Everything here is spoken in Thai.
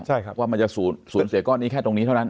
ใช่ครับว่ามันจะสูญเสียก้อนนี้แค่ตรงนี้เท่านั้น